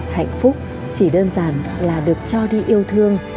hạnh phúc chỉ đơn giản là được cho đi yêu thương